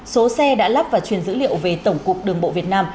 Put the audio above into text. số xe đã lắp và truyền dữ liệu về tổng cục đường bộ việt nam